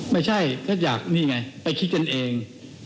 ไม่ใช่ก็อยากนี่ไงไปคิดกันเอง